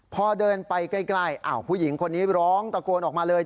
พอเดินไปใกล้ผู้หญิงคนนี้ร้องตะโกนออกมาเลย